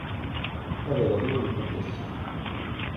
Adrar-iw imqeddes!